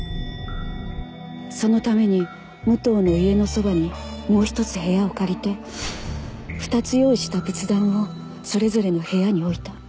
そのために武藤の家のそばにもう一つ部屋を借りて２つ用意した仏壇をそれぞれの部屋に置いた。